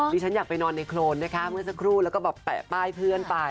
ฉันอยากไปนอนในโครนนะคะเมื่อสักครู่แล้วก็แบบแปะป้ายเพื่อนไป